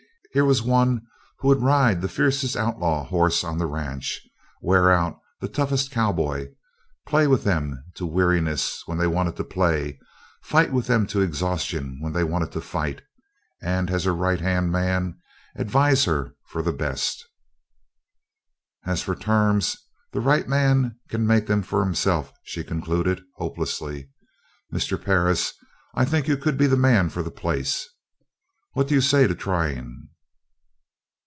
Here was one who would ride the fiercest outlaw horse on the ranch; wear out the toughest cowboy; play with them to weariness when they wanted to play, fight with them to exhaustion when they wanted to fight, and as her right hand man, advise her for the best. "As for terms, the right man can make them for himself," she concluded, hopelessly: "Mr. Perris, I think you could be the man for the place. What do you say to trying?"